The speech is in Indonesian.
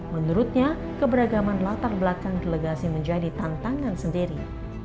menurutnya keberagaman latar belakang delegasi menjadi tantangan sendiri